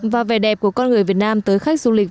và vẻ đẹp của con người việt nam tới khách du lịch